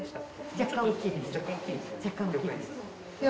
若干大きいですよね。